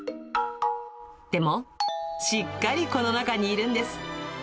でも、しっかりこの中にいるんです。